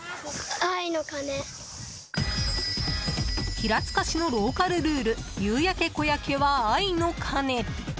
平塚市のローカルルール「夕焼け小焼け」は「愛の鐘」。